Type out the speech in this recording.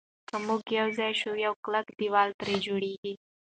که موږ یو ځای شو نو یو کلک دېوال ترې جوړېږي.